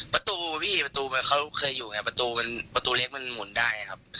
ประตูพี่เขาเคยอยู่ประตูเล็กมันหมุนได้ครับ